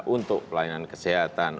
untuk pelayanan kesehatan